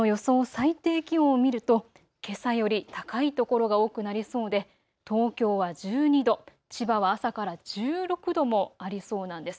最低気温を見ると、けさより高い所が多くなりそうで東京は１２度、千葉は朝から１６度もありそうなんです。